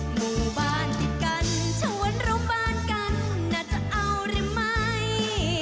หมู่บ้านดีกันถ้าวันเราบ้านกันน่าจะเอาหรือไหม